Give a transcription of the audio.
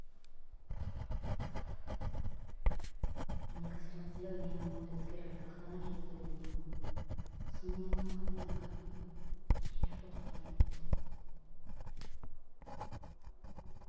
何かしら強い念を持ってつけられた刀傷というのはその念が晴れない限り消えることはないって。